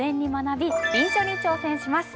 臨書に挑戦します。